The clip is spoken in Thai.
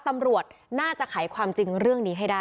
ตำรวจน่าจะไขความจริงเรื่องนี้ให้ได้